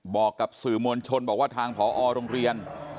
บอกกับสื่อมวลชนบอกว่าทางผอโรงเรียน